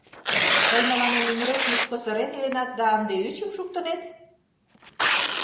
Тый мыланем ӱмырет мучко сырен иленат да ынде ӱчым шуктынет?